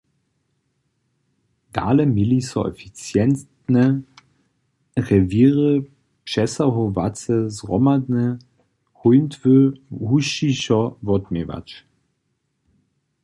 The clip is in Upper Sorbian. Dale měli so eficientne, rewěry přesahowace zhromadne hońtwy husćišo wotměwać.